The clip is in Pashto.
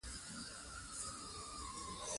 که پر الله توکل وکړو نو نه یوازې کیږو.